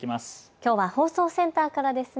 きょうは放送センターからですね。